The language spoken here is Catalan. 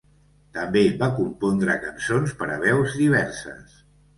També va compondre cançons per a veus diverses.